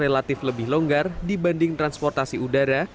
relatif lebih longgar dibanding transportasi udara